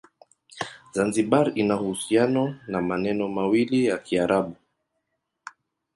Zanzibar ina uhusiano na maneno mawili ya Kiarabu.